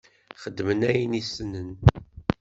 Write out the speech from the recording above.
Xedmen ayen i ssnen.